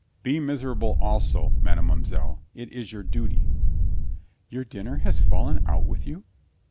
"Be mis erable also, mademoiselle. It is your duty." "Your dinner has fallen out with you?"